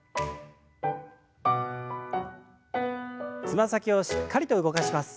つま先をしっかりと動かします。